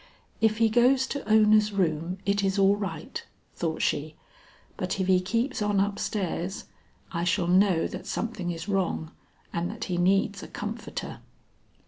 "If he goes to Ona's room it is all right," thought she; "but if he keeps on upstairs, I shall know that something is wrong and that he needs a comforter."